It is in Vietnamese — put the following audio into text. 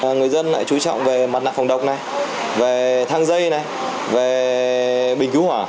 người dân lại chú trọng về mặt nạ phòng độc này về thang dây này về bình cứu hỏa